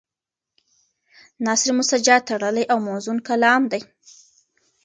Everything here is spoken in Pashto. نثر مسجع تړلی او موزون کلام دی.